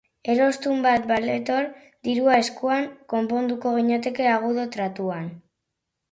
Erostun bat baletor, dirua eskuan, konponduko ginateke agudo tratuan.